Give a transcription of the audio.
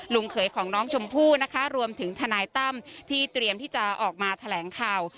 เขยของน้องชมพู่นะคะรวมถึงทนายตั้มที่เตรียมที่จะออกมาแถลงข่าว